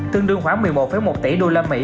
tương đương khoảng một mươi một một tỷ đô la mỹ